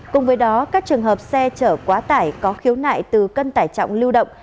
cùng với đó các trường hợp xe chở quá tải có khiếu nại từ cân tải trọng lưu động